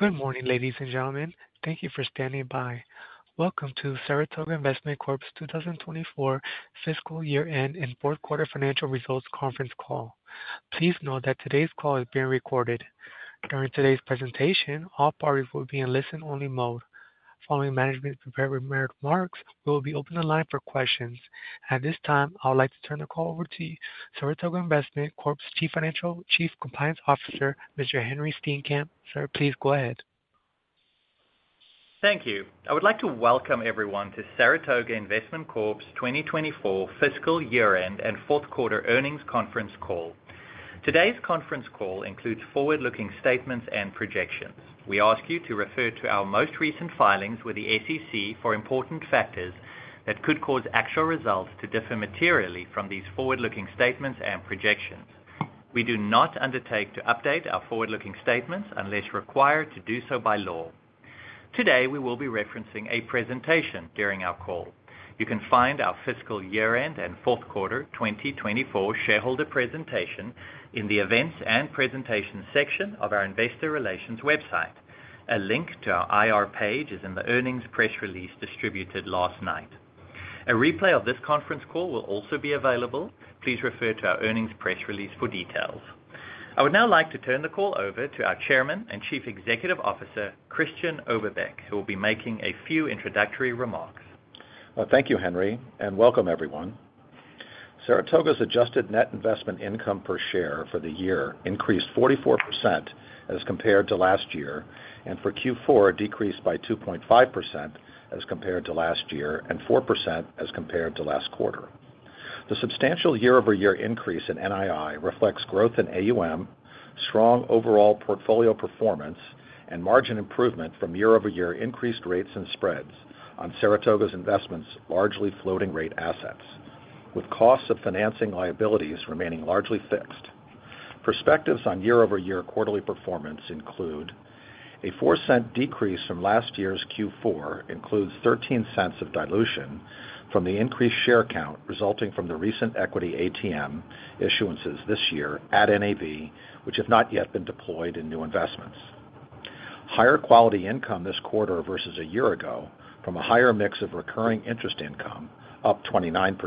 Good morning, ladies and gentlemen. Thank you for standing by. Welcome to Saratoga Investment Corp's 2024 fiscal year-end and fourth-quarter financial results conference call. Please note that today's call is being recorded. During today's presentation, all parties will be in listen-only mode. Following management's prepared remarks, we will open the line for questions. At this time, I would like to turn the call over to you, Saratoga Investment Corp's Chief Compliance Officer, Mr. Henri Steenkamp. Sir, please go ahead. Thank you. I would like to welcome everyone to Saratoga Investment Corp's 2024 fiscal year-end and fourth-quarter earnings conference call. Today's conference call includes forward-looking statements and projections. We ask you to refer to our most recent filings with the SEC for important factors that could cause actual results to differ materially from these forward-looking statements and projections. We do not undertake to update our forward-looking statements unless required to do so by law. Today we will be referencing a presentation during our call. You can find our fiscal year-end and fourth-quarter 2024 shareholder presentation in the Events and Presentations section of our investor relations website. A link to our IR page is in the earnings press release distributed last night. A replay of this conference call will also be available. Please refer to our earnings press release for details. I would now like to turn the call over to our chairman and Chief Executive Officer, Christian Oberbeck, who will be making a few introductory remarks. Well, thank you, Henri, and welcome, everyone. Saratoga's adjusted net investment income per share for the year increased 44% as compared to last year, and for Q4 decreased by 2.5% as compared to last year and 4% as compared to last quarter. The substantial year-over-year increase in NII reflects growth in AUM, strong overall portfolio performance, and margin improvement from year-over-year increased rates and spreads on Saratoga's investments largely floating-rate assets, with costs of financing liabilities remaining largely fixed. Perspectives on year-over-year quarterly performance include: a $0.04 decrease from last year's Q4 includes $0.13 of dilution from the increased share count resulting from the recent equity ATM issuances this year at NAV, which have not yet been deployed in new investments. Higher quality income this quarter versus a year ago from a higher mix of recurring interest income, up 29%,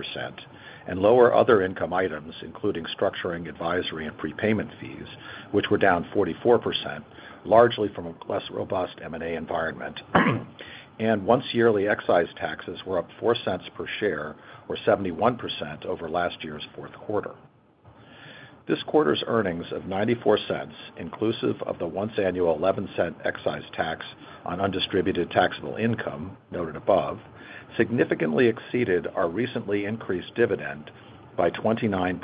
and lower other income items, including structuring, advisory, and prepayment fees, which were down 44%, largely from a less robust M&A environment, and once-yearly excise taxes were up $0.04 per share, or 71%, over last year's fourth quarter. This quarter's earnings of $0.94, inclusive of the once-annual $0.11 excise tax on undistributed taxable income noted above, significantly exceeded our recently increased dividend by 29%.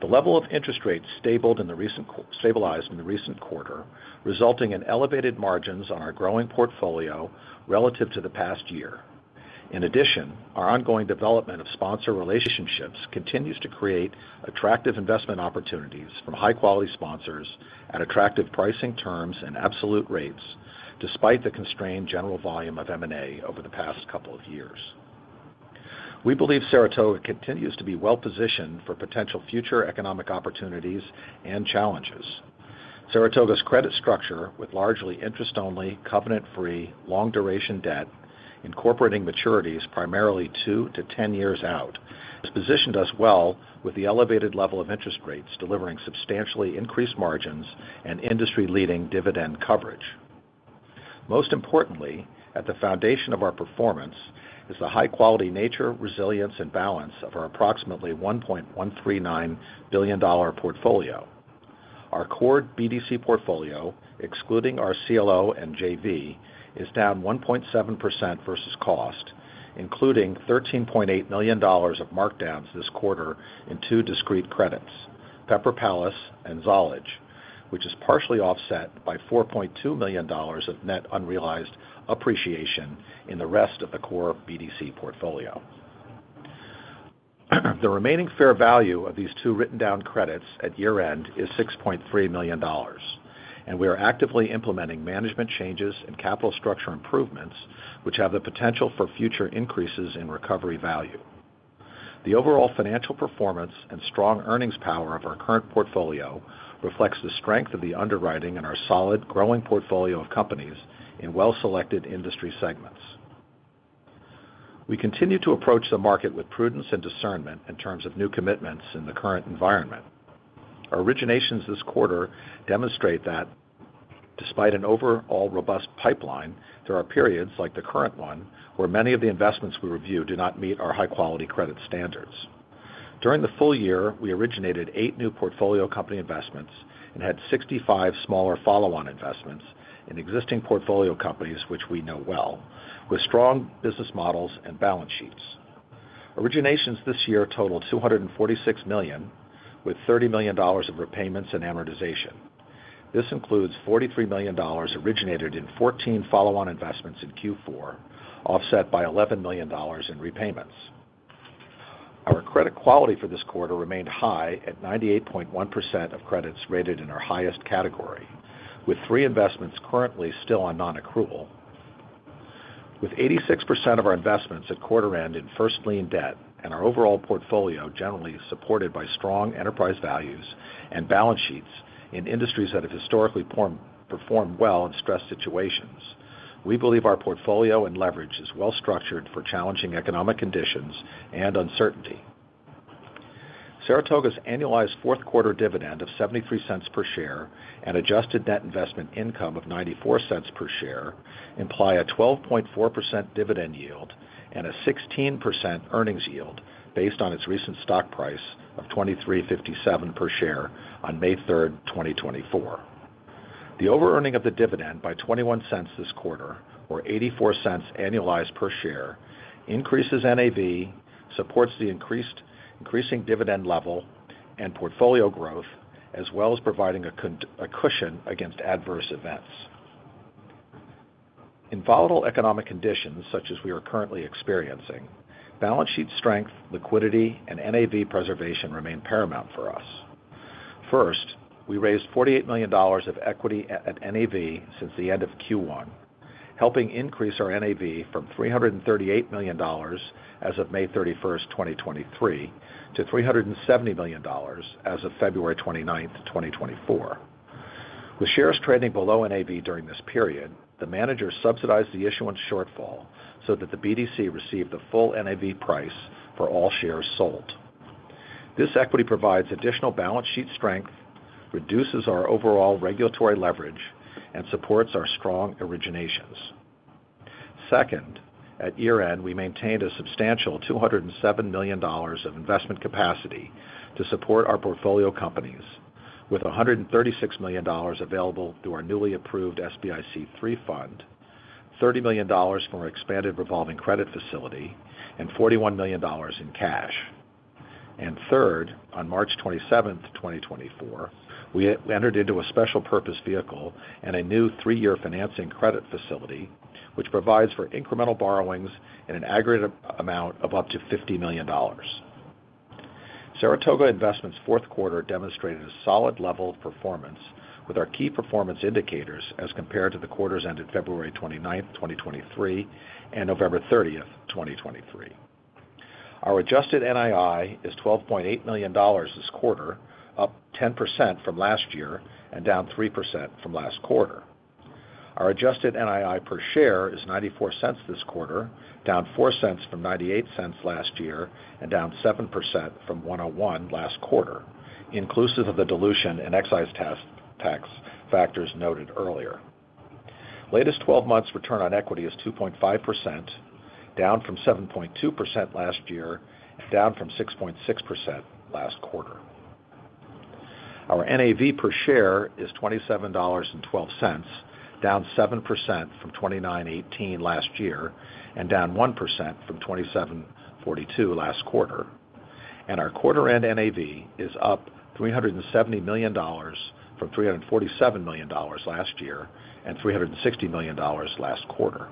The level of interest rates stabilized in the recent quarter resulted in elevated margins on our growing portfolio relative to the past year. In addition, our ongoing development of sponsor relationships continues to create attractive investment opportunities from high-quality sponsors at attractive pricing terms and absolute rates, despite the constrained general volume of M&A over the past couple of years. We believe Saratoga continues to be well-positioned for potential future economic opportunities and challenges. Saratoga's credit structure, with largely interest-only, covenant-free, long-duration debt incorporating maturities primarily 2-10 years out, has positioned us well with the elevated level of interest rates delivering substantially increased margins and industry-leading dividend coverage. Most importantly, at the foundation of our performance is the high-quality nature, resilience, and balance of our approximately $1.139 billion portfolio. Our core BDC portfolio, excluding our CLO and JV, is down 1.7% versus cost, including $13.8 million of markdowns this quarter in two discrete credits, Pepper Palace and Zollege, which is partially offset by $4.2 million of net unrealized appreciation in the rest of the core BDC portfolio. The remaining fair value of these two written-down credits at year-end is $6.3 million, and we are actively implementing management changes and capital structure improvements which have the potential for future increases in recovery value. The overall financial performance and strong earnings power of our current portfolio reflect the strength of the underwriting and our solid, growing portfolio of companies in well-selected industry segments. We continue to approach the market with prudence and discernment in terms of new commitments in the current environment. Our originations this quarter demonstrate that, despite an overall robust pipeline, there are periods, like the current one, where many of the investments we review do not meet our high-quality credit standards. During the full year, we originated eight new portfolio company investments and had 65 smaller follow-on investments in existing portfolio companies which we know well, with strong business models and balance sheets. Originations this year totaled $246 million, with $30 million of repayments and amortization. This includes $43 million originated in 14 follow-on investments in Q4, offset by $11 million in repayments. Our credit quality for this quarter remained high at 98.1% of credits rated in our highest category, with three investments currently still on non-accrual. With 86% of our investments at quarter-end in first-lien debt and our overall portfolio generally supported by strong enterprise values and balance sheets in industries that have historically performed well in stressed situations, we believe our portfolio and leverage is well-structured for challenging economic conditions and uncertainty. Saratoga's annualized fourth-quarter dividend of $0.73 per share and adjusted net investment income of $0.94 per share imply a 12.4% dividend yield and a 16% earnings yield based on its recent stock price of $23.57 per share on May 3rd, 2024. The over-earning of the dividend by $0.21 this quarter, or $0.84 annualized per share, increases NAV, supports the increasing dividend level and portfolio growth, as well as providing a cushion against adverse events. In volatile economic conditions such as we are currently experiencing, balance sheet strength, liquidity, and NAV preservation remain paramount for us. First, we raised $48 million of equity at NAV since the end of Q1, helping increase our NAV from $338 million as of May 31st, 2023, to $370 million as of February 29th, 2024. With shares trading below NAV during this period, the managers subsidized the issuance shortfall so that the BDC received the full NAV price for all shares sold. This equity provides additional balance sheet strength, reduces our overall regulatory leverage, and supports our strong originations. Second, at year-end, we maintained a substantial $207 million of investment capacity to support our portfolio companies, with $136 million available through our newly approved SBIC III fund, $30 million from our expanded revolving credit facility, and $41 million in cash. And third, on March 27th, 2024, we entered into a special-purpose vehicle and a new three-year financing credit facility, which provides for incremental borrowings in an aggregate amount of up to $50 million. Saratoga Investment's fourth quarter demonstrated a solid level of performance with our key performance indicators as compared to the quarters ended February 29th, 2023, and November 30th, 2023. Our adjusted NII is $12.8 million this quarter, up 10% from last year and down 3% from last quarter. Our adjusted NII per share is $0.94 this quarter, down $0.04 from $0.98 last year and down 7% from $1.01 last quarter, inclusive of the dilution and excise tax factors noted earlier. Latest 12 months return on equity is 2.5%, down from 7.2% last year and down from 6.6% last quarter. Our NAV per share is $27.12, down 7% from $29.18 last year and down 1% from $27.42 last quarter. Our quarter-end NAV is up $370 million from $347 million last year and $360 million last quarter.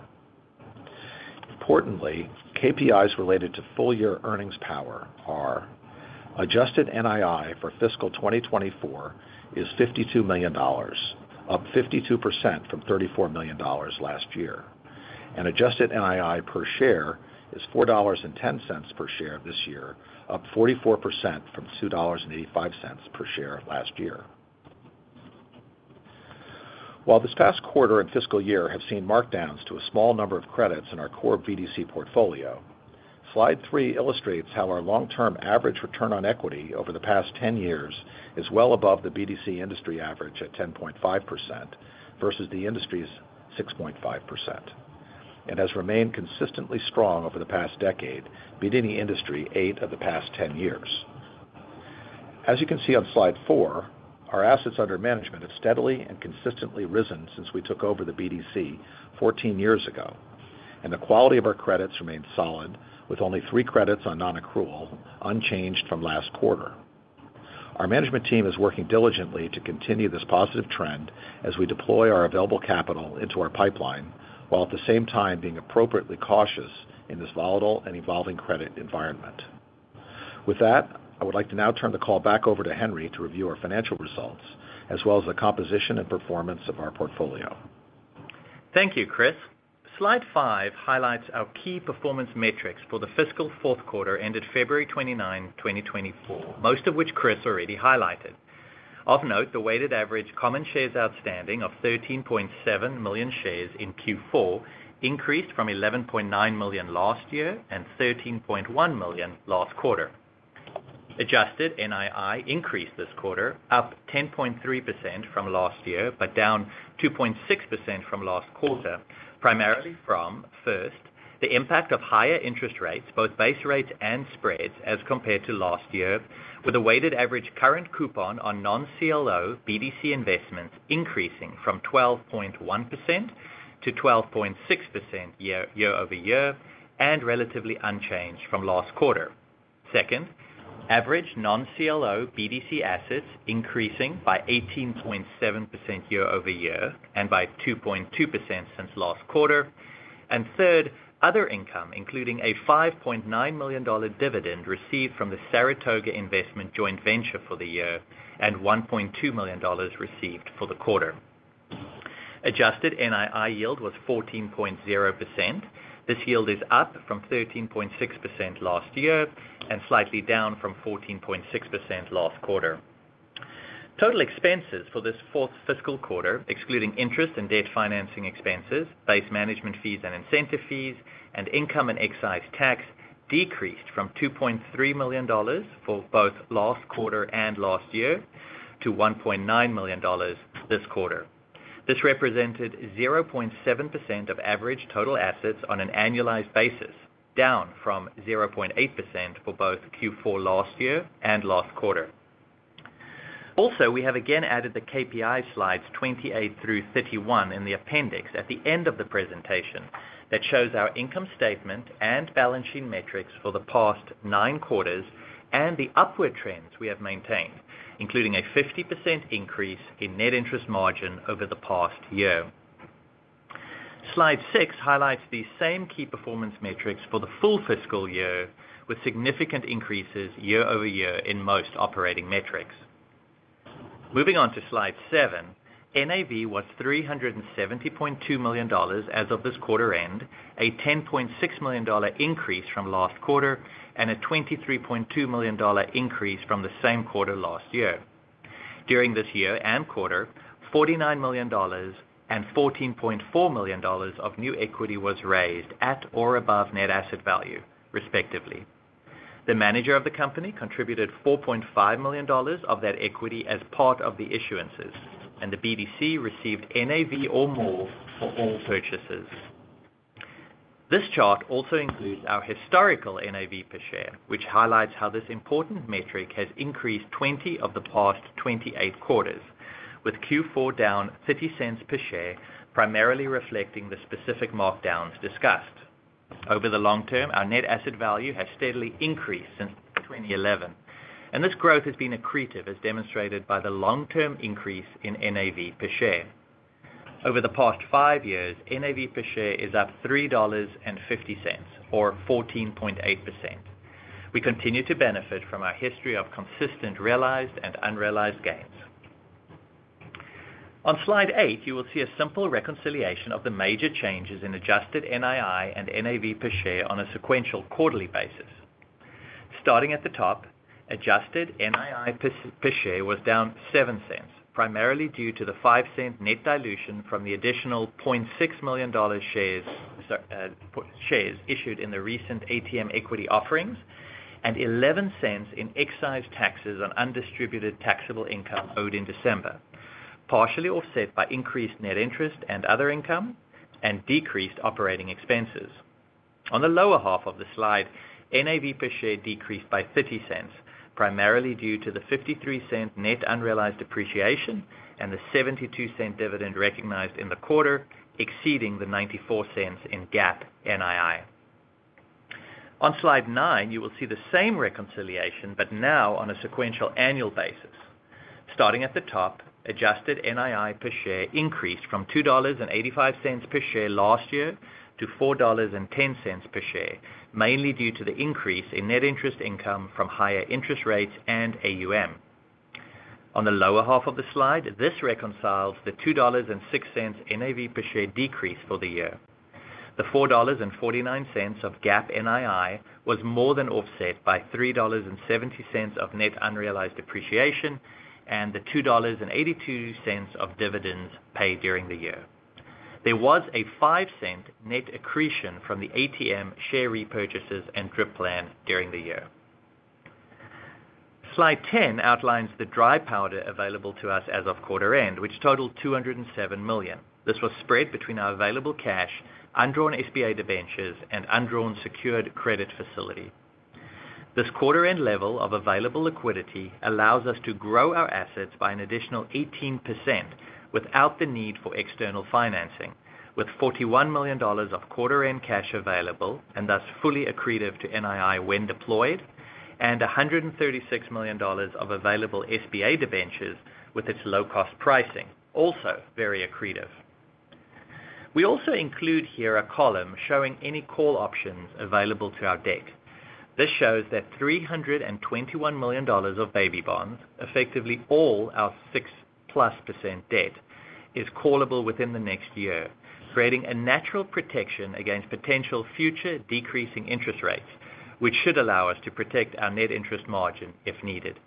Importantly, KPIs related to full-year earnings power are, adjusted NII for fiscal 2024 is $52 million, up 52% from $34 million last year; and adjusted NII per share is $4.10 per share this year, up 44% from $2.85 per share last year. While this past quarter and fiscal year have seen markdowns to a small number of credits in our core BDC portfolio, slide 3 illustrates how our long-term average return on equity over the past 10 years is well above the BDC industry average at 10.5% versus the industry's 6.5% and has remained consistently strong over the past decade, beating the industry 8 of the past 10 years. As you can see on slide 4, our assets under management have steadily and consistently risen since we took over the BDC 14 years ago, and the quality of our credits remained solid, with only 3 credits on non-accrual, unchanged from last quarter. Our management team is working diligently to continue this positive trend as we deploy our available capital into our pipeline while at the same time being appropriately cautious in this volatile and evolving credit environment. With that, I would like to now turn the call back over to Henri to review our financial results as well as the composition and performance of our portfolio. Thank you, Chris. Slide five highlights our key performance metrics for the fiscal fourth quarter ended February 29, 2024, most of which Chris already highlighted. Of note, the weighted average common shares outstanding of 13.7 million shares in Q4 increased from 11.9 million last year and 13.1 million last quarter. Adjusted NII increased this quarter, up 10.3% from last year but down 2.6% from last quarter, primarily from, first, the impact of higher interest rates, both base rates and spreads, as compared to last year, with a weighted average current coupon on non-CLO BDC investments increasing from 12.1% to 12.6% year-over-year and relatively unchanged from last quarter. Second, average non-CLO BDC assets increasing by 18.7% year-over-year and by 2.2% since last quarter. Third, other income, including a $5.9 million dividend received from the Saratoga Investment Joint Venture for the year and $1.2 million received for the quarter. Adjusted NII yield was 14.0%. This yield is up from 13.6% last year and slightly down from 14.6% last quarter. Total expenses for this fourth fiscal quarter, excluding interest and debt financing expenses, base management fees and incentive fees, and income and excise tax, decreased from $2.3 million for both last quarter and last year to $1.9 million this quarter. This represented 0.7% of average total assets on an annualized basis, down from 0.8% for both Q4 last year and last quarter. Also, we have again added the KPI slides 28 through 31 in the appendix at the end of the presentation that shows our income statement and balance sheet metrics for the past nine quarters and the upward trends we have maintained, including a 50% increase in net interest margin over the past year. Slide six highlights the same key performance metrics for the full fiscal year, with significant increases year-over-year in most operating metrics. Moving on to slide seven, NAV was $370.2 million as of this quarter-end, a $10.6 million increase from last quarter and a $23.2 million increase from the same quarter last year. During this year and quarter, $49 million and $14.4 million of new equity was raised at or above net asset value, respectively. The manager of the company contributed $4.5 million of that equity as part of the issuances, and the BDC received NAV or more for all purchases. This chart also includes our historical NAV per share, which highlights how this important metric has increased 20 of the past 28 quarters, with Q4 down $0.30 per share, primarily reflecting the specific markdowns discussed. Over the long term, our net asset value has steadily increased since 2011, and this growth has been accretive, as demonstrated by the long-term increase in NAV per share. Over the past five years, NAV per share is up $3.50, or 14.8%. We continue to benefit from our history of consistent realized and unrealized gains. On slide 8, you will see a simple reconciliation of the major changes in adjusted NII and NAV per share on a sequential quarterly basis. Starting at the top, adjusted NII per share was down $0.07, primarily due to the $0.05 net dilution from the additional 0.6 million shares issued in the recent ATM equity offerings and $0.11 in excise taxes on undistributed taxable income owed in December, partially offset by increased net interest and other income and decreased operating expenses. On the lower half of the slide, NAV per share decreased by $0.30, primarily due to the $0.53 net unrealized depreciation and the $0.72 dividend recognized in the quarter, exceeding the $0.94 in GAAP NII. On slide 9, you will see the same reconciliation but now on a sequential annual basis. Starting at the top, adjusted NII per share increased from $2.85 per share last year to $4.10 per share, mainly due to the increase in net interest income from higher interest rates and AUM. On the lower half of the slide, this reconciles the $2.06 NAV per share decrease for the year. The $4.49 of GAAP NII was more than offset by $3.70 of net unrealized depreciation and the $2.82 of dividends paid during the year. There was a $0.05 net accretion from the ATM share repurchases and DRIP plan during the year. Slide 10 outlines the dry powder available to us as of quarter-end, which totaled $207 million. This was spread between our available cash, undrawn SBIC debentures, and undrawn secured credit facility. This quarter-end level of available liquidity allows us to grow our assets by an additional 18% without the need for external financing, with $41 million of quarter-end cash available and thus fully accretive to NII when deployed, and $136 million of available SBIC debentures with its low-cost pricing, also very accretive. We also include here a column showing any call options available to our debt. This shows that $321 million of Baby Bonds, effectively all our 6%+ debt, is callable within the next year, creating a natural protection against potential future decreasing interest rates, which should allow us to protect our net interest margin if needed.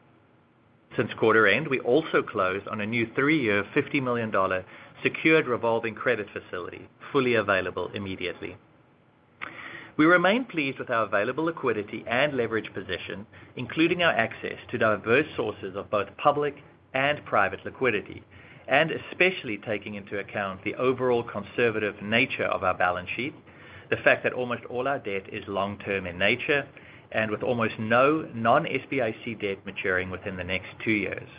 Since quarter-end, we also closed on a new three-year $50 million secured revolving credit facility, fully available immediately. We remain pleased with our available liquidity and leverage position, including our access to diverse sources of both public and private liquidity, and especially taking into account the overall conservative nature of our balance sheet, the fact that almost all our debt is long-term in nature, and with almost no non-SBIC debt maturing within the next two years.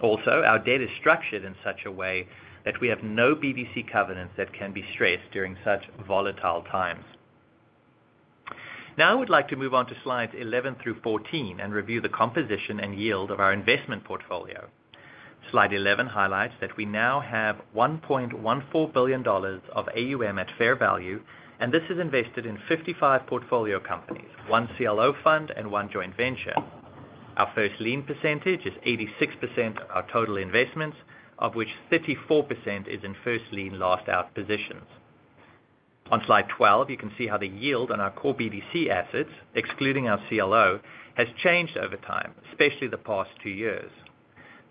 Also, our debt is structured in such a way that we have no BDC covenants that can be stressed during such volatile times. Now I would like to move on to slides 11 through 14 and review the composition and yield of our investment portfolio. Slide 11 highlights that we now have $1.14 billion of AUM at fair value, and this is invested in 55 portfolio companies, 1 CLO fund and 1 joint venture. Our first lien percentage is 86% of our total investments, of which 34% is in first lien last-out positions. On slide 12, you can see how the yield on our core BDC assets, excluding our CLO, has changed over time, especially the past 2 years.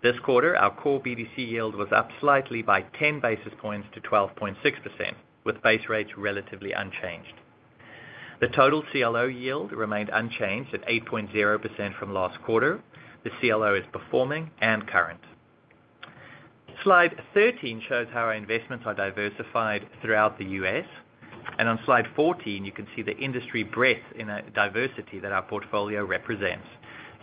This quarter, our core BDC yield was up slightly by 10 basis points to 12.6%, with base rates relatively unchanged. The total CLO yield remained unchanged at 8.0% from last quarter. The CLO is performing and current. Slide 13 shows how our investments are diversified throughout the U.S. On slide 14, you can see the industry breadth in diversity that our portfolio represents,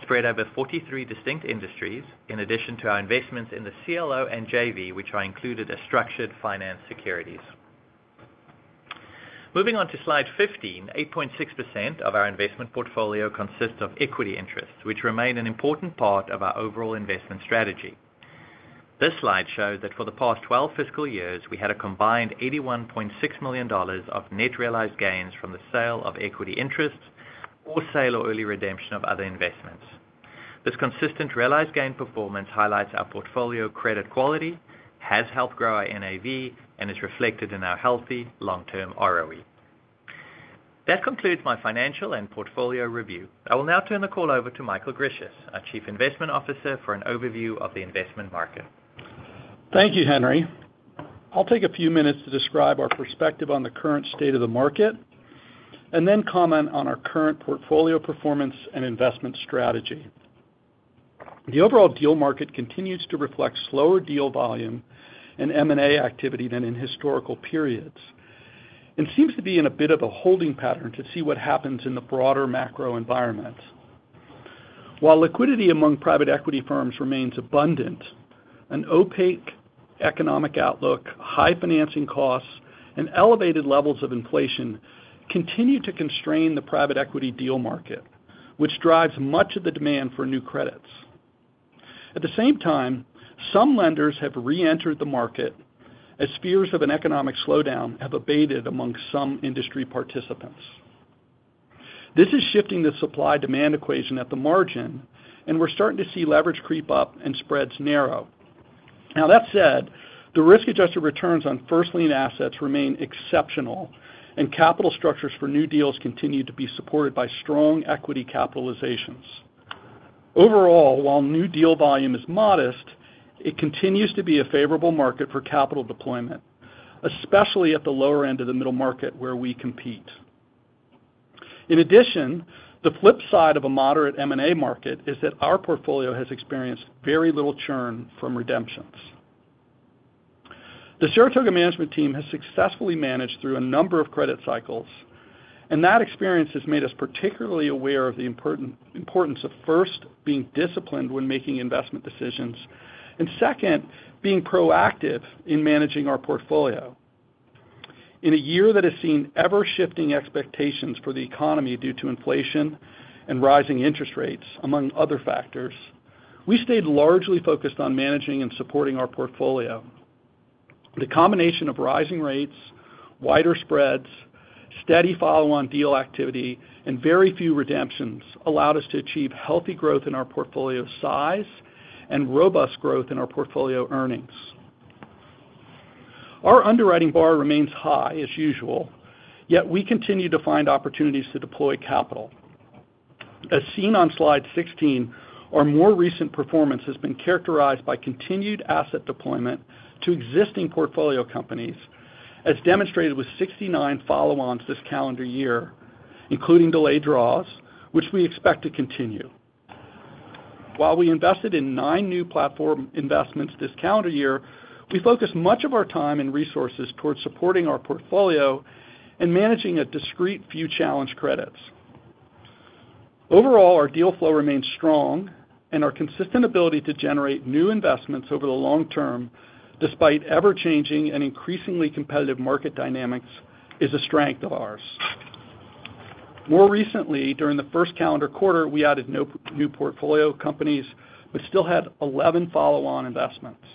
spread over 43 distinct industries, in addition to our investments in the CLO and JV, which are included as structured finance securities. Moving on to slide 15, 8.6% of our investment portfolio consists of equity interests, which remain an important part of our overall investment strategy. This slide shows that for the past 12 fiscal years, we had a combined $81.6 million of net realized gains from the sale of equity interests or sale or early redemption of other investments. This consistent realized gain performance highlights our portfolio credit quality, has helped grow our NAV, and is reflected in our healthy long-term ROE. That concludes my financial and portfolio review. I will now turn the call over to Michael Grisius, our Chief Investment Officer, for an overview of the investment market. Thank you, Henri. I'll take a few minutes to describe our perspective on the current state of the market and then comment on our current portfolio performance and investment strategy. The overall deal market continues to reflect slower deal volume and M&A activity than in historical periods and seems to be in a bit of a holding pattern to see what happens in the broader macro environment. While liquidity among private equity firms remains abundant, an opaque economic outlook, high financing costs, and elevated levels of inflation continue to constrain the private equity deal market, which drives much of the demand for new credits. At the same time, some lenders have reentered the market as fears of an economic slowdown have abated among some industry participants. This is shifting the supply-demand equation at the margin, and we're starting to see leverage creep up and spreads narrow. Now, that said, the risk-adjusted returns on first lien assets remain exceptional, and capital structures for new deals continue to be supported by strong equity capitalizations. Overall, while new deal volume is modest, it continues to be a favorable market for capital deployment, especially at the lower end of the middle market where we compete. In addition, the flip side of a moderate M&A market is that our portfolio has experienced very little churn from redemptions. The Saratoga Management team has successfully managed through a number of credit cycles, and that experience has made us particularly aware of the importance of first, being disciplined when making investment decisions, and second, being proactive in managing our portfolio. In a year that has seen ever-shifting expectations for the economy due to inflation and rising interest rates, among other factors, we stayed largely focused on managing and supporting our portfolio. The combination of rising rates, wider spreads, steady follow-on deal activity, and very few redemptions allowed us to achieve healthy growth in our portfolio size and robust growth in our portfolio earnings. Our underwriting bar remains high, as usual, yet we continue to find opportunities to deploy capital. As seen on slide 16, our more recent performance has been characterized by continued asset deployment to existing portfolio companies, as demonstrated with 69 follow-ons this calendar year, including delayed draws, which we expect to continue. While we invested in nine new platform investments this calendar year, we focused much of our time and resources towards supporting our portfolio and managing a discrete few challenge credits. Overall, our deal flow remains strong, and our consistent ability to generate new investments over the long term, despite ever-changing and increasingly competitive market dynamics, is a strength of ours. More recently, during the first calendar quarter, we added no new portfolio companies but still had 11 follow-on investments.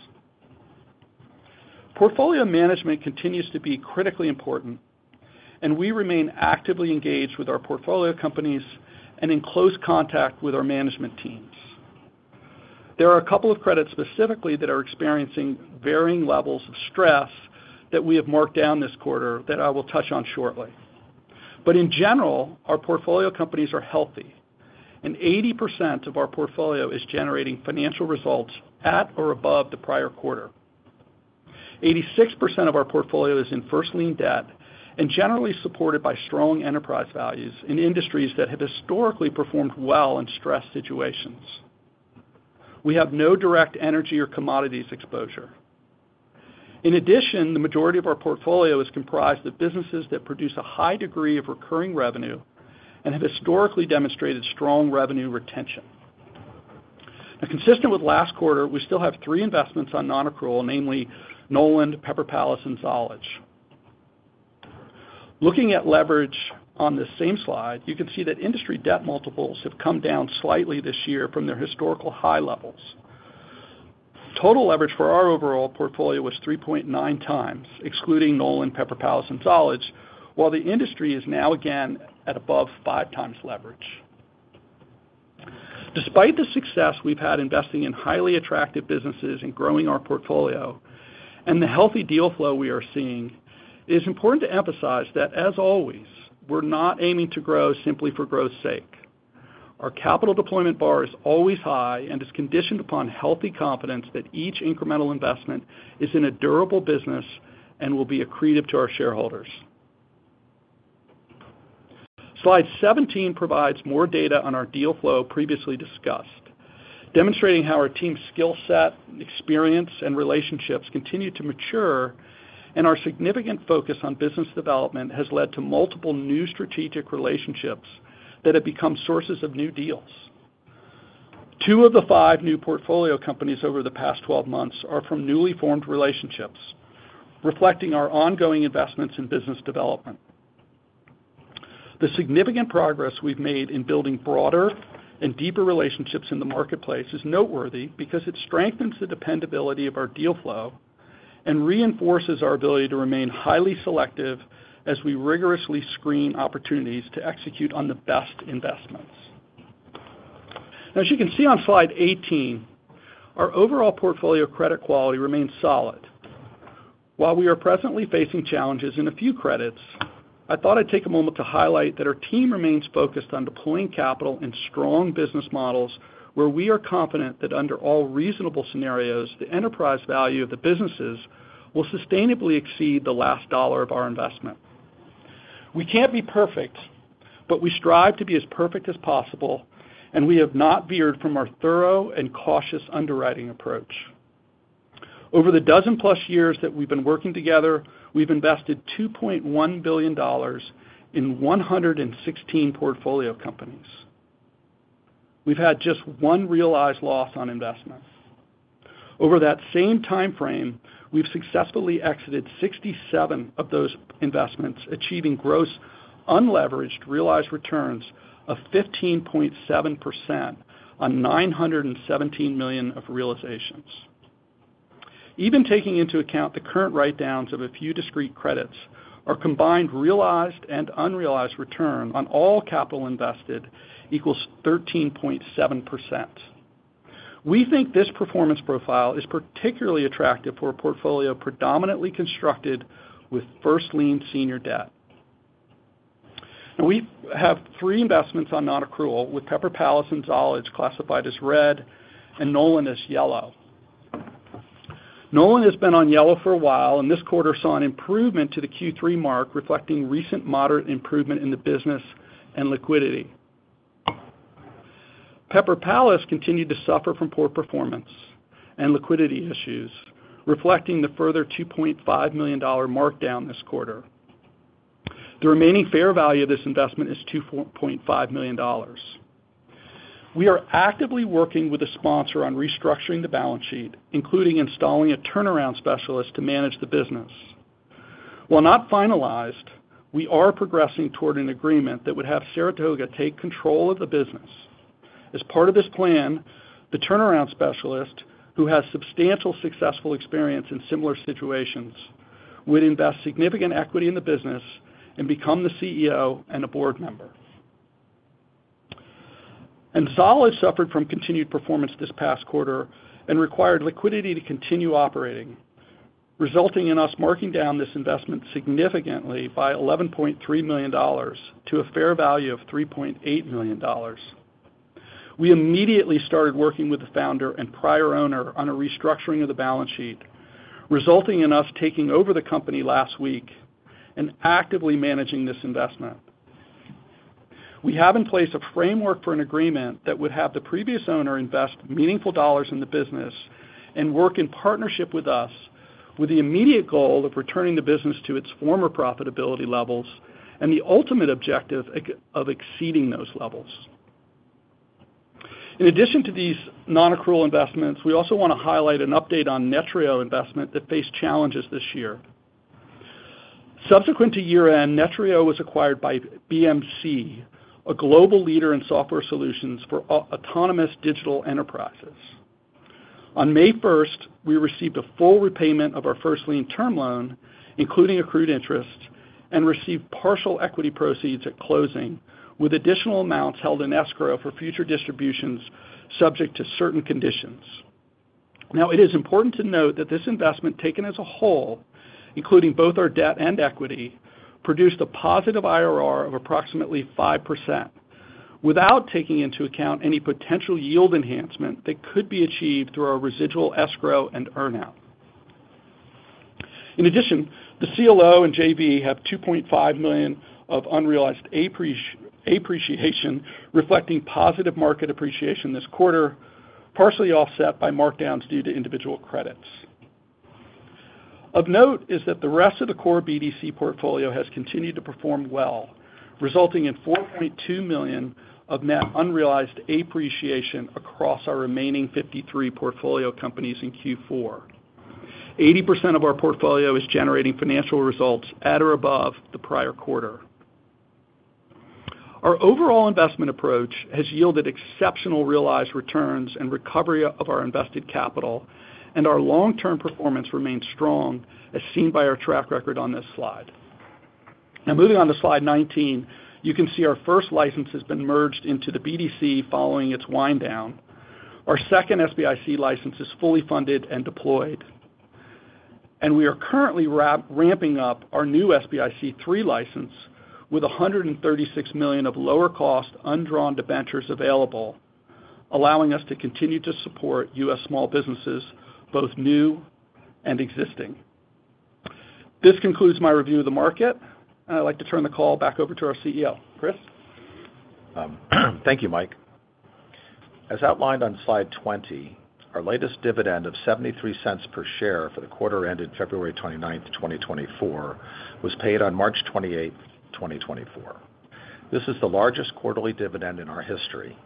Portfolio management continues to be critically important, and we remain actively engaged with our portfolio companies and in close contact with our management teams. There are a couple of credits specifically that are experiencing varying levels of stress that we have marked down this quarter that I will touch on shortly. But in general, our portfolio companies are healthy, and 80% of our portfolio is generating financial results at or above the prior quarter. 86% of our portfolio is in first lien debt and generally supported by strong enterprise values in industries that have historically performed well in stressed situations. We have no direct energy or commodities exposure. In addition, the majority of our portfolio is comprised of businesses that produce a high degree of recurring revenue and have historically demonstrated strong revenue retention. Now, consistent with last quarter, we still have three investments on non-accrual, namely Knowland, Pepper Palace, and Zollege. Looking at leverage on this same slide, you can see that industry debt multiples have come down slightly this year from their historical high levels. Total leverage for our overall portfolio was 3.9x, excluding Knowland, Pepper Palace, and Zollege, while the industry is now again at above 5x leverage. Despite the success we've had investing in highly attractive businesses and growing our portfolio and the healthy deal flow we are seeing, it is important to emphasize that, as always, we're not aiming to grow simply for growth's sake. Our capital deployment bar is always high and is conditioned upon healthy confidence that each incremental investment is in a durable business and will be accretive to our shareholders. Slide 17 provides more data on our deal flow previously discussed, demonstrating how our team's skill set, experience, and relationships continue to mature, and our significant focus on business development has led to multiple new strategic relationships that have become sources of new deals. Two of the five new portfolio companies over the past 12 months are from newly formed relationships, reflecting our ongoing investments in business development. The significant progress we've made in building broader and deeper relationships in the marketplace is noteworthy because it strengthens the dependability of our deal flow and reinforces our ability to remain highly selective as we rigorously screen opportunities to execute on the best investments. Now, as you can see on slide 18, our overall portfolio credit quality remains solid. While we are presently facing challenges in a few credits, I thought I'd take a moment to highlight that our team remains focused on deploying capital in strong business models where we are confident that, under all reasonable scenarios, the enterprise value of the businesses will sustainably exceed the last dollar of our investment. We can't be perfect, but we strive to be as perfect as possible, and we have not veered from our thorough and cautious underwriting approach. Over the dozen-plus years that we've been working together, we've invested $2.1 billion in 116 portfolio companies. We've had just one realized loss on investment. Over that same time frame, we've successfully exited 67 of those investments, achieving gross unleveraged realized returns of 15.7% on $917 million of realizations. Even taking into account the current write-downs of a few discrete credits, our combined realized and unrealized return on all capital invested equals 13.7%. We think this performance profile is particularly attractive for a portfolio predominantly constructed with first lien senior debt. Now, we have three investments on non-accrual with Pepper Palace and Zollege classified as red and Knowland as yellow. Knowland has been on yellow for a while, and this quarter saw an improvement to the Q3 mark, reflecting recent moderate improvement in the business and liquidity. Pepper Palace continued to suffer from poor performance and liquidity issues, reflecting the further $2.5 million markdown this quarter. The remaining fair value of this investment is $2.5 million. We are actively working with a sponsor on restructuring the balance sheet, including installing a turnaround specialist to manage the business. While not finalized, we are progressing toward an agreement that would have Saratoga take control of the business. As part of this plan, the turnaround specialist, who has substantial successful experience in similar situations, would invest significant equity in the business and become the CEO and a board member. Zollege suffered from continued performance this past quarter and required liquidity to continue operating, resulting in us marking down this investment significantly by $11.3 million to a fair value of $3.8 million. We immediately started working with the founder and prior owner on a restructuring of the balance sheet, resulting in us taking over the company last week and actively managing this investment. We have in place a framework for an agreement that would have the previous owner invest meaningful dollars in the business and work in partnership with us, with the immediate goal of returning the business to its former profitability levels and the ultimate objective of exceeding those levels. In addition to these non-accrual investments, we also want to highlight an update on Netreo investment that faced challenges this year. Subsequent to year-end, Netreo was acquired by BMC, a global leader in software solutions for autonomous digital enterprises. On May 1st, we received a full repayment of our first lien term loan, including accrued interest, and received partial equity proceeds at closing, with additional amounts held in escrow for future distributions subject to certain conditions. Now, it is important to note that this investment, taken as a whole, including both our debt and equity, produced a positive IRR of approximately 5% without taking into account any potential yield enhancement that could be achieved through our residual escrow and earnout. In addition, the CLO and JV have $2.5 million of unrealized appreciation reflecting positive market appreciation this quarter, partially offset by markdowns due to individual credits. Of note is that the rest of the core BDC portfolio has continued to perform well, resulting in $4.2 million of net unrealized appreciation across our remaining 53 portfolio companies in Q4. 80% of our portfolio is generating financial results at or above the prior quarter. Our overall investment approach has yielded exceptional realized returns and recovery of our invested capital, and our long-term performance remains strong, as seen by our track record on this slide. Now, moving on to slide 19, you can see our first license has been merged into the BDC following its winddown. Our second SBIC license is fully funded and deployed. We are currently ramping up our new SBIC III license with $136 million of lower-cost undrawn debentures available, allowing us to continue to support U.S. small businesses, both new and existing. This concludes my review of the market, and I'd like to turn the call back over to our CEO. Chris? Thank you, Mike. As outlined on slide 20, our latest dividend of $0.73 per share for the quarter ended February 29, 2024, was paid on March 28, 2024. This is the largest quarterly dividend in our history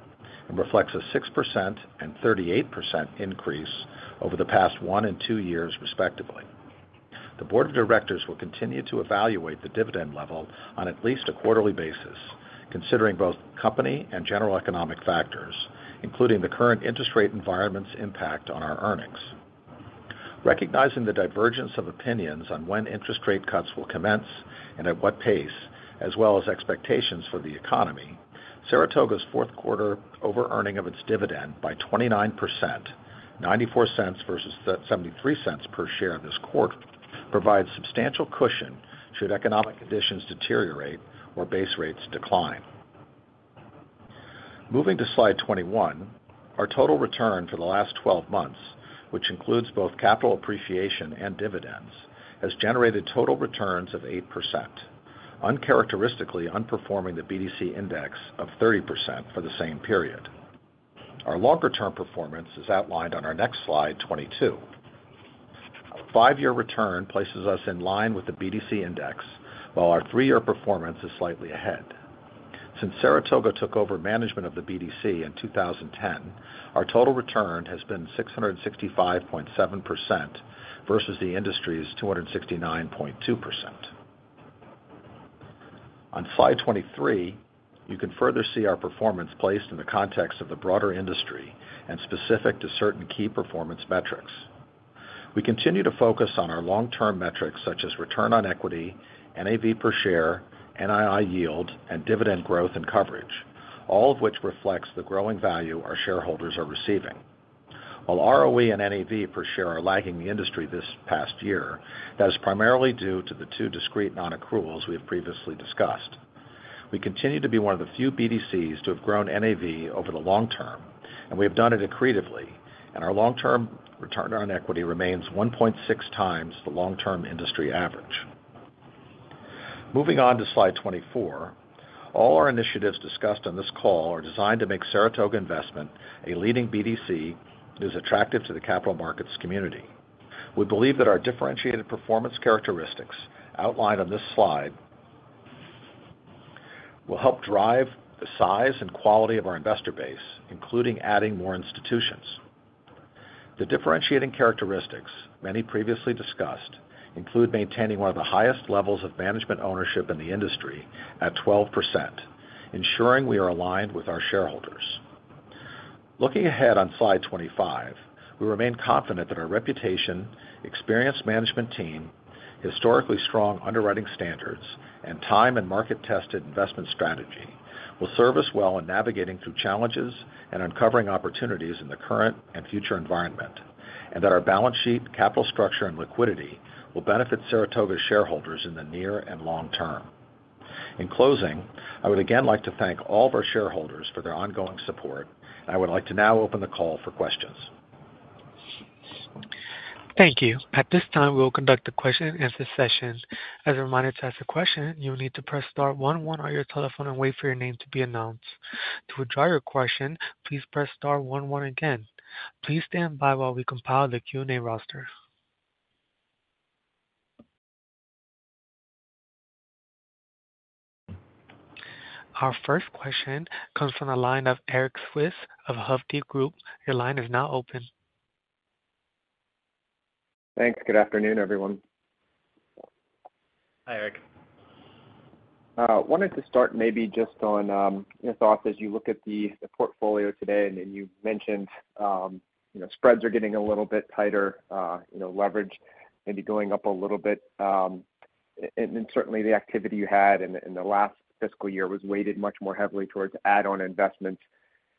and reflects a 6% and 38% increase over the past one and two years, respectively. The board of directors will continue to evaluate the dividend level on at least a quarterly basis, considering both company and general economic factors, including the current interest rate environment's impact on our earnings. Recognizing the divergence of opinions on when interest rate cuts will commence and at what pace, as well as expectations for the economy, Saratoga's fourth quarter over-earning of its dividend by 29%, $0.94 versus $0.73 per share this quarter, provides substantial cushion should economic conditions deteriorate or base rates decline. Moving to slide 21, our total return for the last 12 months, which includes both capital appreciation and dividends, has generated total returns of 8%, uncharacteristically unperforming the BDC index of 30% for the same period. Our longer-term performance is outlined on our next slide 22. Our 5-year return places us in line with the BDC index, while our 3-year performance is slightly ahead. Since Saratoga took over management of the BDC in 2010, our total return has been 665.7% versus the industry's 269.2%. On slide 23, you can further see our performance placed in the context of the broader industry and specific to certain key performance metrics. We continue to focus on our long-term metrics such as return on equity, NAV per share, NII yield, and dividend growth and coverage, all of which reflects the growing value our shareholders are receiving. While ROE and NAV per share are lagging the industry this past year, that is primarily due to the two discrete non-accruals we have previously discussed. We continue to be one of the few BDCs to have grown NAV over the long term, and we have done it accretively, and our long-term return on equity remains 1.6 times the long-term industry average. Moving on to slide 24, all our initiatives discussed on this call are designed to make Saratoga Investment a leading BDC that is attractive to the capital markets community. We believe that our differentiated performance characteristics outlined on this slide will help drive the size and quality of our investor base, including adding more institutions. The differentiating characteristics, many previously discussed, include maintaining one of the highest levels of management ownership in the industry at 12%, ensuring we are aligned with our shareholders. Looking ahead on slide 25, we remain confident that our reputation, experienced management team, historically strong underwriting standards, and time-and-market-tested investment strategy will serve us well in navigating through challenges and uncovering opportunities in the current and future environment, and that our balance sheet, capital structure, and liquidity will benefit Saratoga's shareholders in the near and long term. In closing, I would again like to thank all of our shareholders for their ongoing support, and I would like to now open the call for questions. Thank you. At this time, we will conduct the question-and-answer session. As a reminder, to ask a question, you will need to press star 11 on your telephone and wait for your name to be announced. To withdraw your question, please press star 11 again. Please stand by while we compile the Q&A roster. Our first question comes from a line of Erik Zwick of Hovde Group. Your line is now open. Thanks. Good afternoon, everyone. Hi, Erik. I wanted to start maybe just on your thoughts as you look at the portfolio today. And then you mentioned spreads are getting a little bit tighter, leverage maybe going up a little bit. Then certainly, the activity you had in the last fiscal year was weighted much more heavily towards add-on investments.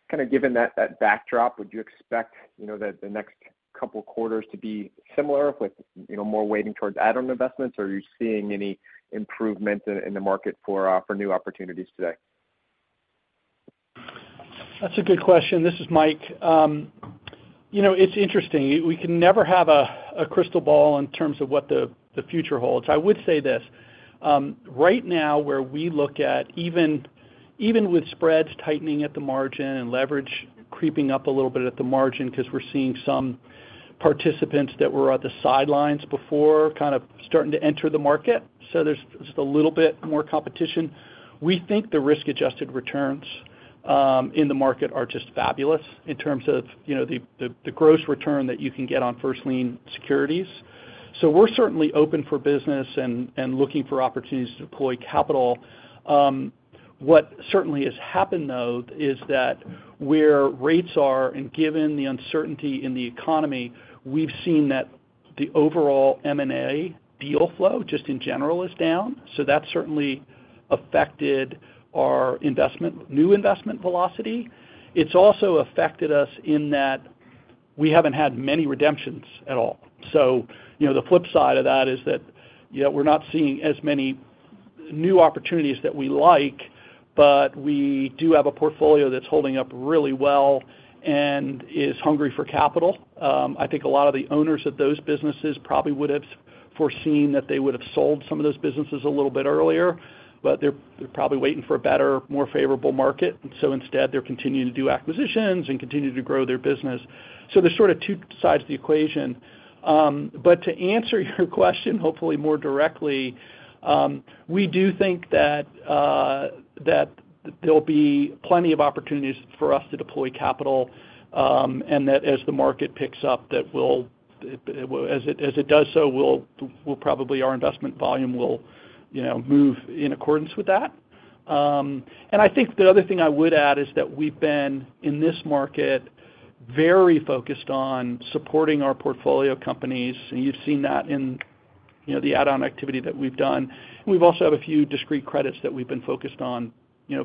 Kind of given that backdrop, would you expect the next couple of quarters to be similar with more weighting towards add-on investments, or are you seeing any improvement in the market for new opportunities today? That's a good question. This is Mike. It's interesting. We can never have a crystal ball in terms of what the future holds. I would say this. Right now, where we look at even with spreads tightening at the margin and leverage creeping up a little bit at the margin because we're seeing some participants that were at the sidelines before kind of starting to enter the market, so there's just a little bit more competition, we think the risk-adjusted returns in the market are just fabulous in terms of the gross return that you can get on first lien securities. So, we're certainly open for business and looking for opportunities to deploy capital. What certainly has happened, though, is that where rates are and given the uncertainty in the economy, we've seen that the overall M&A deal flow, just in general, is down. So, that's certainly affected our new investment velocity. It's also affected us in that we haven't had many redemptions at all. So, the flip side of that is that we're not seeing as many new opportunities that we like, but we do have a portfolio that's holding up really well and is hungry for capital. I think a lot of the owners of those businesses probably would have foreseen that they would have sold some of those businesses a little bit earlier, but they're probably waiting for a better, more favorable market. And so instead, they're continuing to do acquisitions and continue to grow their business. So, there's sort of two sides to the equation. But to answer your question, hopefully more directly, we do think that there'll be plenty of opportunities for us to deploy capital and that as the market picks up, that as it does so, probably our investment volume will move in accordance with that. I think the other thing I would add is that we've been, in this market, very focused on supporting our portfolio companies. You've seen that in the add-on activity that we've done. We've also had a few discrete credits that we've been focused on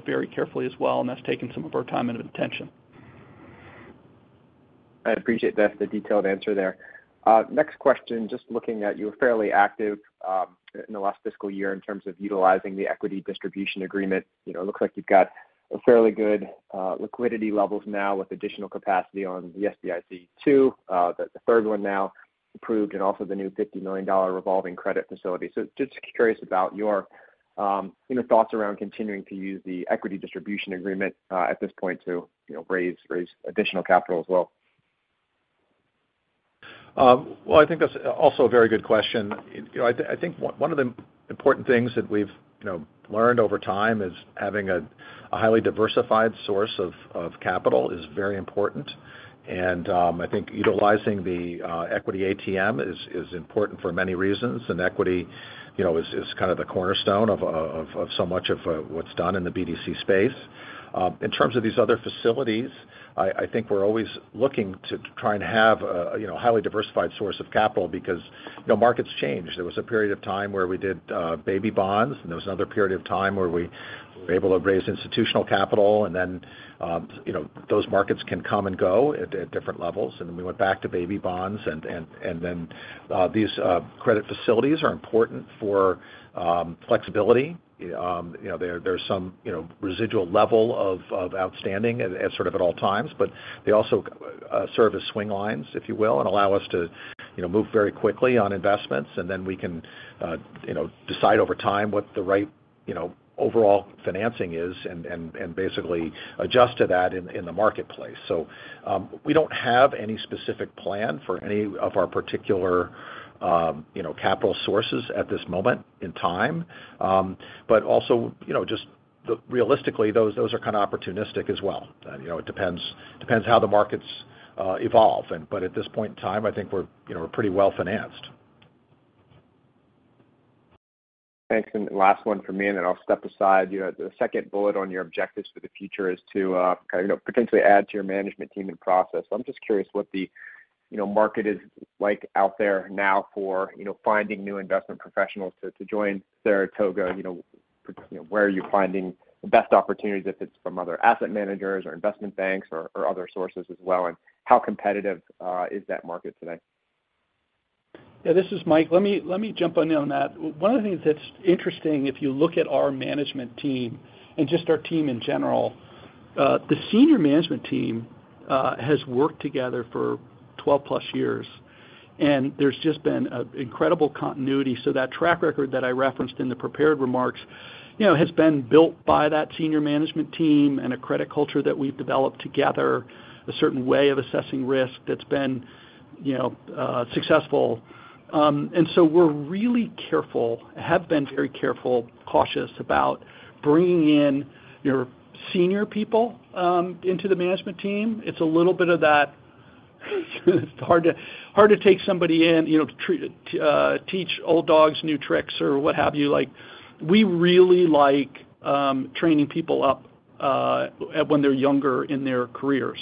very carefully as well, and that's taken some of our time and attention. I appreciate the detailed answer there. Next question, just looking at you are fairly active in the last fiscal year in terms of utilizing the equity distribution agreement. It looks like you've got fairly good liquidity levels now with additional capacity on the SBIC II, the third one now approved, and also the new $50 million revolving credit facility. So, just curious about your thoughts around continuing to use the equity distribution agreement at this point to raise additional capital as well. Well, I think that's also a very good question.I think one of the important things that we've learned over time is having a highly diversified source of capital is very important. I think utilizing the equity ATM is important for many reasons. Equity is kind of the cornerstone of so much of what's done in the BDC space. In terms of these other facilities, I think we're always looking to try and have a highly diversified source of capital because markets change. There was a period of time where we did baby bonds, and there was another period of time where we were able to raise institutional capital. Then those markets can come and go at different levels. Then we went back to baby bonds. Then these credit facilities are important for flexibility. There's some residual level of outstanding sort of at all times, but they also serve as swing lines, if you will, and allow us to move very quickly on investments. And then we can decide over time what the right overall financing is and basically adjust to that in the marketplace. So, we don't have any specific plan for any of our particular capital sources at this moment in time. But also, just realistically, those are kind of opportunistic as well. It depends how the markets evolve. But at this point in time, I think we're pretty well financed. Thanks. And last one from me, and then I'll step aside. The second bullet on your objectives for the future is to kind of potentially add to your management team and process. I'm just curious what the market is like out there now for finding new investment professionals to join Saratoga. Where are you finding the best opportunities if it's from other asset managers or investment banks or other sources as well, and how competitive is that market today? Yeah. This is Mike. Let me jump in on that. One of the things that's interesting, if you look at our management team and just our team in general, the senior management team has worked together for 12+ years, and there's just been incredible continuity. So that track record that I referenced in the prepared remarks has been built by that senior management team and a credit culture that we've developed together, a certain way of assessing risk that's been successful. And so, we're really careful, have been very careful, cautious about bringing in senior people into the management team. It's a little bit of that it's hard to take somebody in to teach old dogs new tricks or what have you. We really like training people up when they're younger in their careers.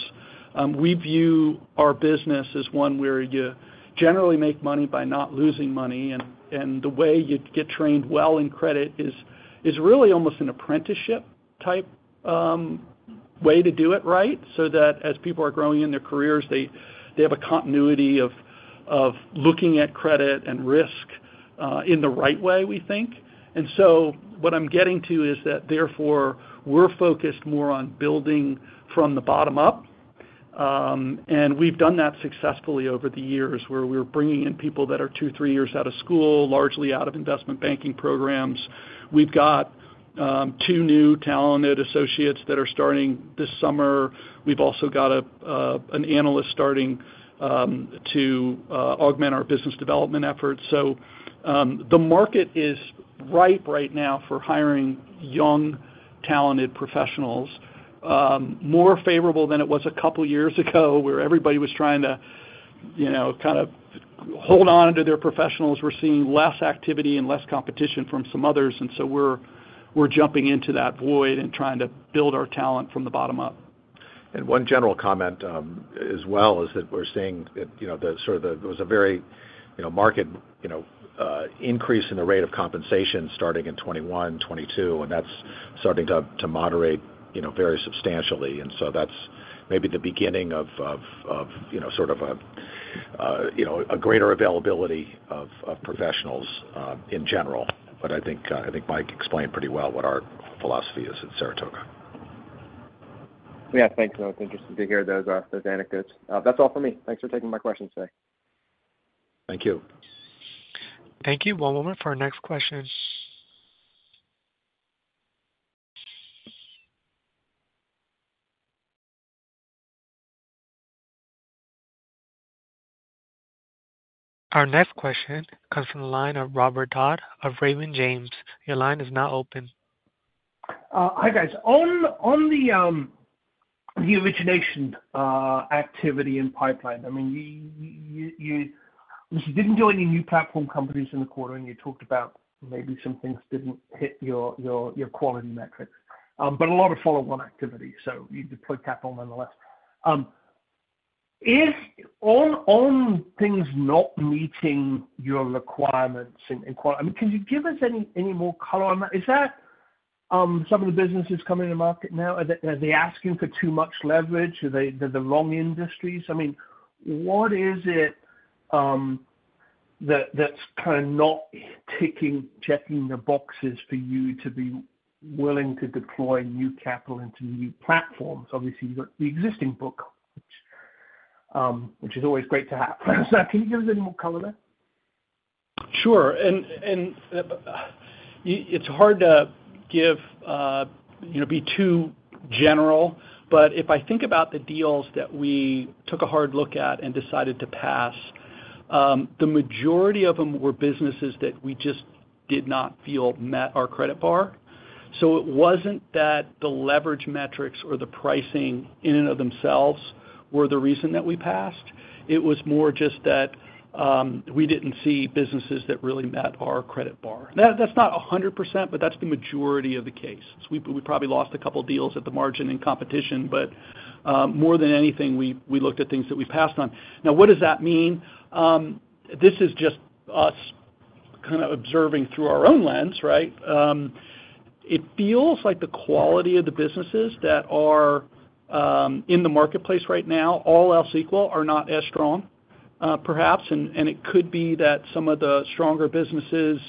We view our business as one where you generally make money by not losing money. And the way you get trained well in credit is really almost an apprenticeship-type way to do it right so that as people are growing in their careers, they have a continuity of looking at credit and risk in the right way, we think. And so, what I'm getting to is that, therefore, we're focused more on building from the bottom up. And we've done that successfully over the years where we're bringing in people that are two, three years out of school, largely out of investment banking programs. We've got two new talented associates that are starting this summer. We've also got an analyst starting to augment our business development efforts. So, the market is ripe right now for hiring young, talented professionals, more favorable than it was a couple of years ago where everybody was trying to kind of hold on to their professionals. We're seeing less activity and less competition from some others. And so we're jumping into that void and trying to build our talent from the bottom up. And one general comment as well is that we're seeing that, sort of, there was a very marked increase in the rate of compensation starting in 2021, 2022, and that's starting to moderate very substantially. And so that's maybe the beginning of sort of a greater availability of professionals in general. But I think Mike explained pretty well what our philosophy is at Saratoga. Yeah. Thanks. It was interesting to hear those anecdotes. That's all for me. Thanks for taking my questions today. Thank you. Thank you. One moment for our next question. Our next question comes from the line of Robert Dodd of Raymond James. Your line is now open. Hi, guys. On the origination activity and pipeline, I mean, you didn't join any new platform companies in the quarter, and you talked about maybe some things didn't hit your quality metrics, but a lot of follow-on activity. So, you deployed capital, nonetheless. On things not meeting your requirements and I mean, can you give us any more color on that? Is that some of the businesses coming to market now? Are they asking for too much leverage? Are they the wrong industries? I mean, what is it that's kind of not ticking, checking the boxes for you to be willing to deploy new capital into new platforms? Obviously, you've got the existing book, which is always great to have. So, can you give us any more color there? Sure. It's hard to be too general. If I think about the deals that we took a hard look at and decided to pass, the majority of them were businesses that we just did not feel met our credit bar. So, it wasn't that the leverage metrics or the pricing in and of themselves were the reason that we passed. It was more just that we didn't see businesses that really met our credit bar. That's not 100%, but that's the majority of the case. We probably lost a couple of deals at the margin in competition, but more than anything, we looked at things that we passed on. Now, what does that mean? This is just us kind of observing through our own lens, right? It feels like the quality of the businesses that are in the marketplace right now, all else equal, are not as strong, perhaps. And it could be that some of the stronger businesses,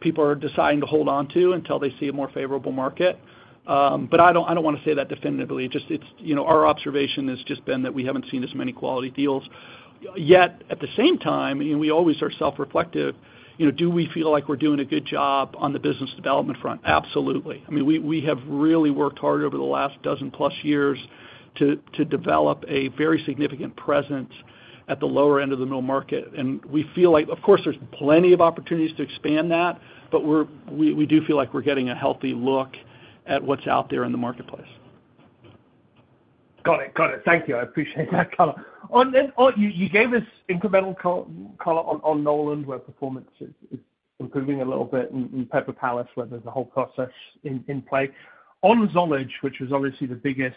people are deciding to hold onto until they see a more favorable market. But I don't want to say that definitively. Our observation has just been that we haven't seen as many quality deals. Yet at the same time, we always are self-reflective. Do we feel like we're doing a good job on the business development front? Absolutely. I mean, we have really worked hard over the last 12-plus years to develop a very significant presence at the lower end of the middle market. And we feel like, of course, there's plenty of opportunities to expand that, but we do feel like we're getting a healthy look at what's out there in the marketplace. Got it. Got it. Thank you. I appreciate that color. You gave us incremental color on Knowland, where performance is improving a little bit, and Pepper Palace, where there's a whole process in play. On Zollege, which was obviously the biggest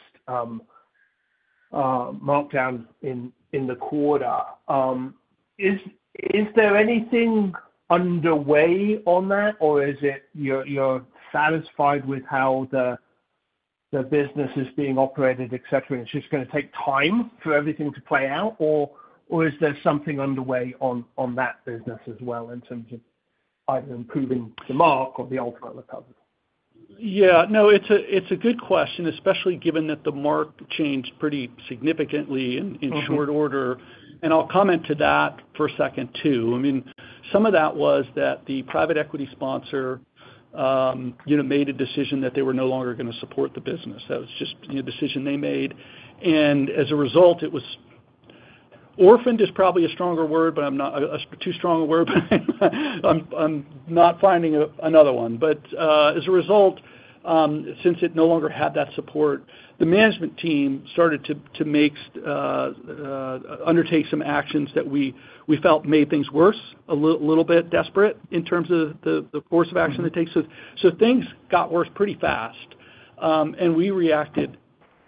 markdown in the quarter, is there anything underway on that, or is it you're satisfied with how the business is being operated, etc., and it's just going to take time for everything to play out, or is there something underway on that business as well in terms of either improving the mark or the ultimate recovery? Yeah. No, it's a good question, especially given that the mark changed pretty significantly in short order. I'll comment to that for a second too. I mean, some of that was that the private equity sponsor made a decision that they were no longer going to support the business. That was just a decision they made. As a result, it was orphaned—is probably a stronger word, but I'm not using too strong a word, but I'm not finding another one. But as a result, since it no longer had that support, the management team started to undertake some actions that we felt made things worse, a little bit desperate in terms of the course of action it takes. So, things got worse pretty fast, and we reacted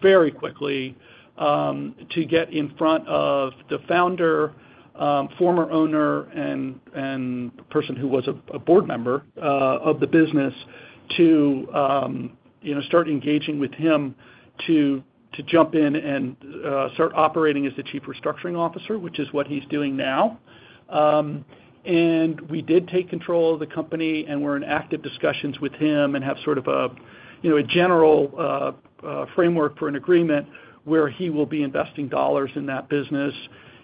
very quickly to get in front of the founder, former owner, and person who was a board member of the business to start engaging with him to jump in and start operating as the chief restructuring officer, which is what he's doing now. We did take control of the company, and we're in active discussions with him and have sort of a general framework for an agreement where he will be investing dollars in that business.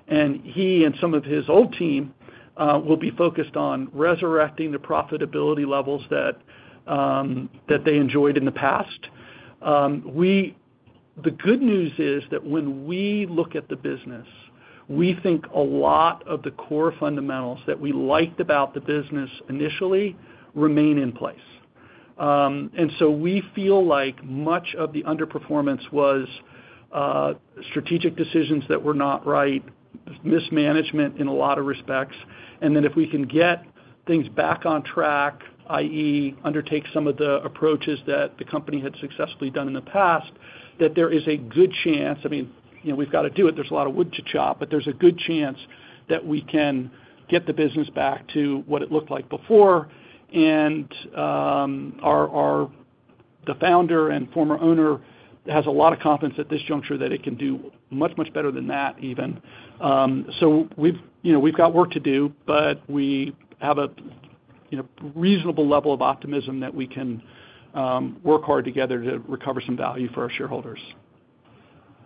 He and some of his old team will be focused on resurrecting the profitability levels that they enjoyed in the past. The good news is that when we look at the business, we think a lot of the core fundamentals that we liked about the business initially remain in place. We feel like much of the underperformance was strategic decisions that were not right, mismanagement in a lot of respects. If we can get things back on track, i.e., undertake some of the approaches that the company had successfully done in the past, that there is a good chance. I mean, we've got to do it. There's a lot of wood to chop, but there's a good chance that we can get the business back to what it looked like before. And the founder and former owner has a lot of confidence at this juncture that it can do much, much better than that even. So, we've got work to do, but we have a reasonable level of optimism that we can work hard together to recover some value for our shareholders.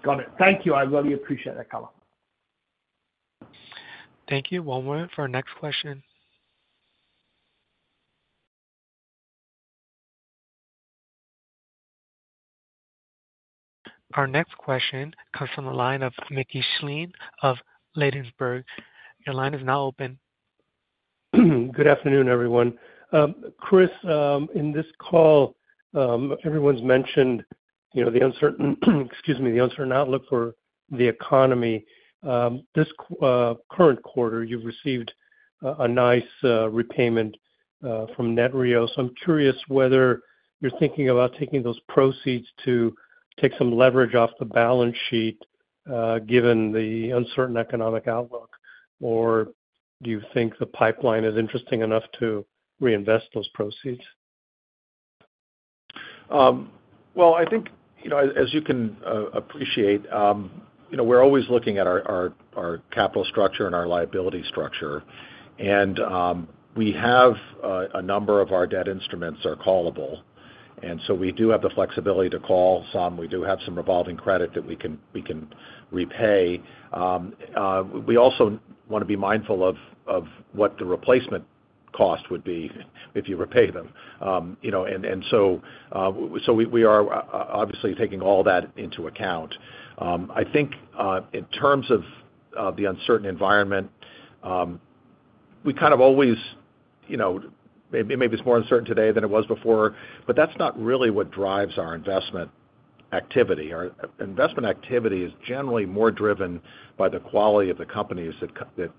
Got it. Thank you. I really appreciate that color. Thank you. One moment for our next question. Our next question comes from the line of Mickey Schleien of Ladenburg. Your line is now open. Good afternoon, everyone. Chris, in this call, everyone's mentioned the uncertain, excuse me, the uncertain outlook for the economy. This current quarter, you've received a nice repayment from Netreo. So, I'm curious whether you're thinking about taking those proceeds to take some leverage off the balance sheet given the uncertain economic outlook, or do you think the pipeline is interesting enough to reinvest those proceeds? Well, I think as you can appreciate, we're always looking at our capital structure and our liability structure. And we have a number of our debt instruments are callable. And so, we do have the flexibility to call some. We do have some revolving credit that we can repay. We also want to be mindful of what the replacement cost would be if you repay them. And so, we are obviously taking all that into account. I think in terms of the uncertain environment, we kind of always maybe it's more uncertain today than it was before, but that's not really what drives our investment activity. Our investment activity is generally more driven by the quality of the companies that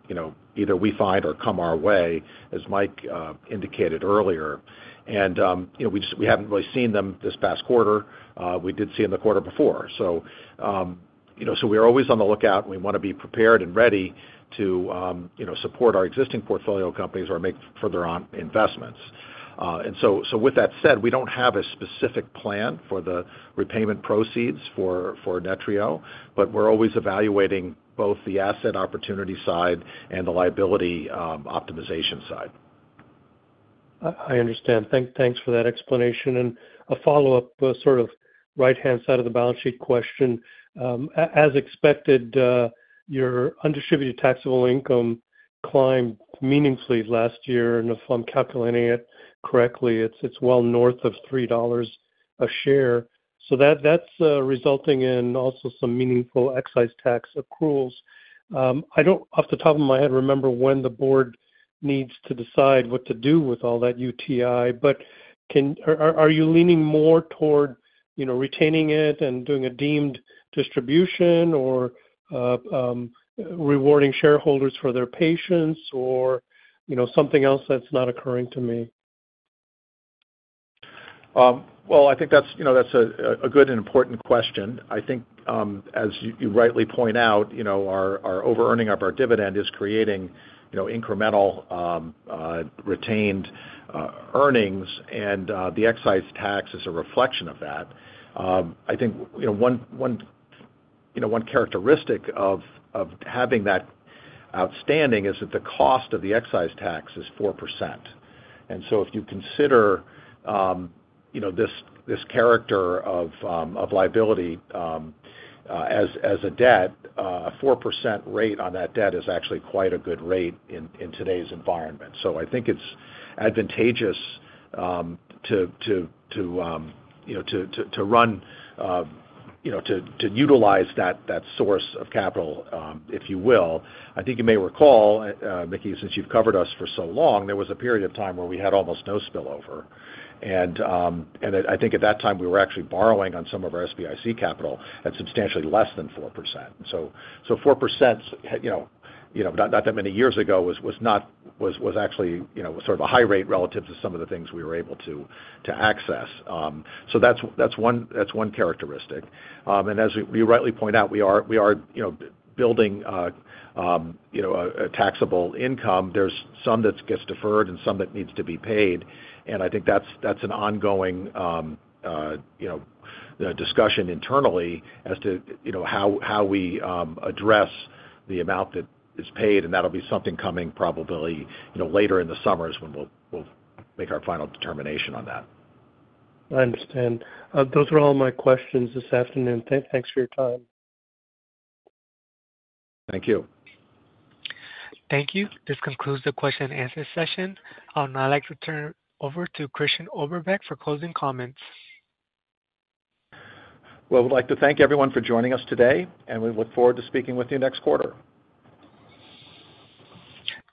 either we find or come our way, as Mike indicated earlier. We haven't really seen them this past quarter. We did see them the quarter before. We're always on the lookout, and we want to be prepared and ready to support our existing portfolio companies or make further investments. With that said, we don't have a specific plan for the repayment proceeds for Netreo, but we're always evaluating both the asset opportunity side and the liability optimization side. I understand. Thanks for that explanation. A follow-up sort of right-hand side of the balance sheet question. As expected, your undistributed taxable income climbed meaningfully last year. If I'm calculating it correctly, it's well worth of $3 a share. That's resulting in also some meaningful excise tax accruals. I don't, off the top of my head, remember when the board needs to decide what to do with all that UTI, but are you leaning more toward retaining it and doing a deemed distribution or rewarding shareholders for their patience or something else that's not occurring to me? Well, I think that's a good and important question. I think, as you rightly point out, our over-earning of our dividend is creating incremental retained earnings, and the excise tax is a reflection of that. I think one characteristic of having that outstanding is that the cost of the excise tax is 4%. And so, if you consider this character of liability as a debt, a 4% rate on that debt is actually quite a good rate in today's environment. So, I think it's advantageous to run to utilize that source of capital, if you will. I think you may recall, Mickey, since you've covered us for so long, there was a period of time where we had almost no spillover. And I think at that time, we were actually borrowing on some of our SBIC capital at substantially less than 4%. And so, 4%, not that many years ago, was actually sort of a high rate relative to some of the things we were able to access. So, that's one characteristic. And as you rightly point out, we are building a taxable income. There's some that gets deferred and some that needs to be paid. And I think that's an ongoing discussion internally as to how we address the amount that is paid. And that'll be something coming probably later in the summers when we'll make our final determination on that. I understand. Those are all my questions this afternoon. Thanks for your time. Thank you. Thank you. This concludes the question-and-answer session. I'd like to turn over to Christian Oberbeck for closing comments. Well, we'd like to thank everyone for joining us today, and we look forward to speaking with you next quarter.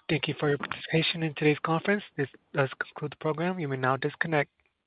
Thank you for your participation in today's conference. This does conclude the program. You may now disconnect.